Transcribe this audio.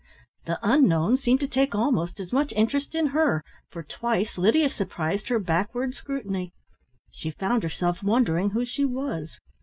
The unknown seemed to take almost as much interest in her, for twice Lydia surprised her backward scrutiny. She found herself wondering who she was.